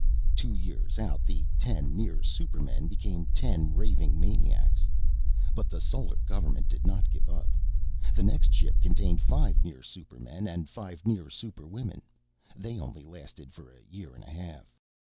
Two years out, the ten near supermen became ten raving maniacs. But the Solar Government did not give up. The next ship contained five near supermen, and five near superwomen. They only lasted for a year and a half.